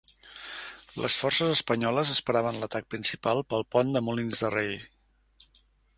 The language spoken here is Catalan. Les forces espanyoles esperaven l'atac principal pel pont de Molins de Rei.